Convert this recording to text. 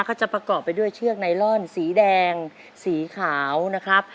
ก็จะประกอบไปด้วยเชือกไนลอนสีแดงสีขาวนะครับ